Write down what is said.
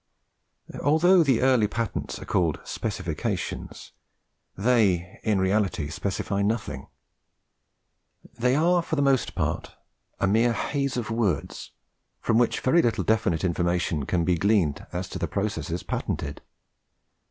Although the early patents are called specifications, they in reality specify nothing. They are for the most part but a mere haze of words, from which very little definite information can be gleaned as to the processes patented.